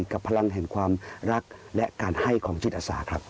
กับพลังแห่งความรักและการให้ของจิตอาสาครับ